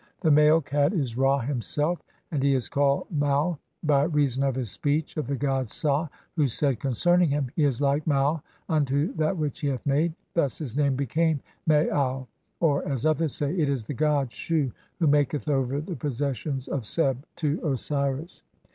The male Cat is Ra (20) himself, and he is called 'Mau' by reason of the speech of the god Sa, [who said] concerning him : "He is like (man) unto that which he hath made"; thus his name became 'Maau' ; r or (as others say), it is the god (21) Shu who maketh over the possessions of Seb to Osiris.